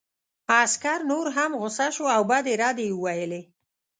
عسکر نور هم غوسه شو او بدې ردې یې وویلې